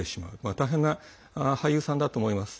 大変な俳優さんだと思います。